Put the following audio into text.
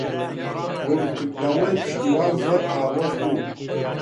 ڕوونکردنەوەی پشتیوان زۆر ئاڵۆز بوو.